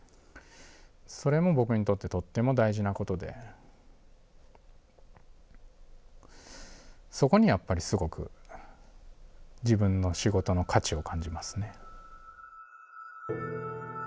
それも僕にとってとっても大事なことでそこにやっぱりすごく自分の仕事の価値を感じますね。